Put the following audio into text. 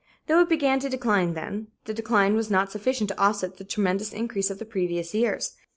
Though it began to decline then, the decline was not sufficient to offset the tremendous increase of the previous years.